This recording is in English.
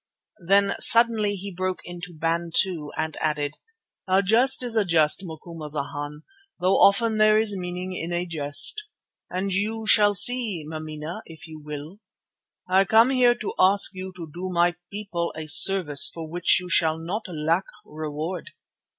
Then suddenly he broke into Bantu, and added: "A jest is a jest, Macumazana, though often there is meaning in a jest, and you shall see Mameena if you will. I come here to ask you to do my people a service for which you shall not lack reward.